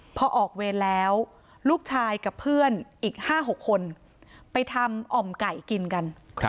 พอออกเวรแล้วลูกชายกับเพื่อนอีก๕๖คนไปทำอ่อมไก่กินกัน